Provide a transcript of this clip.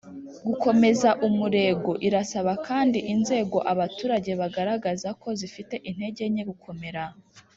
gukomeza umurego Irasaba kandi inzego abaturage bagaragaza ko zifite intege nke gukomera